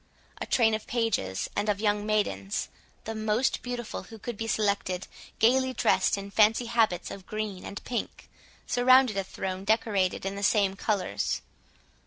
A train of pages and of young maidens, the most beautiful who could be selected, gaily dressed in fancy habits of green and pink, surrounded a throne decorated in the same colours.